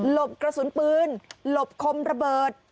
บกระสุนปืนหลบคมระเบิด